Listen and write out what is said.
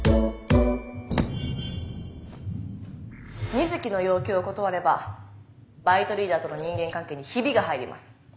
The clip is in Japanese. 水木の要求を断ればバイトリーダーとの人間関係にヒビが入ります。